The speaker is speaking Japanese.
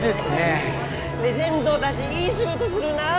レジェンドだぢいい仕事するなあ！